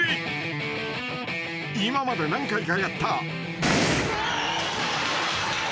［今まで何回かやった］